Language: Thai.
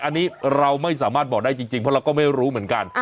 อันนี้เราไม่สามารถบอกได้จริงเพราะเราก็ไม่รู้เหมือนกัน